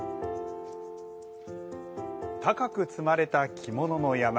高く積まれた着物の山。